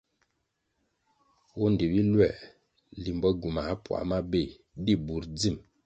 Wundi biluer limbo gywumah puáh mabéh di bur dzim.